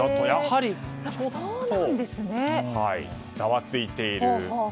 やはり、ざわついている。